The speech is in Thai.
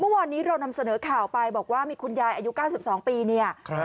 เมื่อวันนี้เรานำเสนอข่าวไปบอกว่ามีคุณยายอายุเก้าสิบสองปีเนี่ยครับ